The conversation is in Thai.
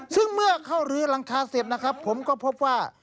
ซึ่งเมื่อเข้ารื้อหลังคาเสร็จนะครับผมก็พบว่า